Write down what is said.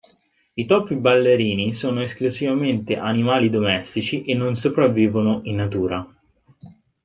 I topi ballerini sono esclusivamente animali domestici e non sopravvivono in natura.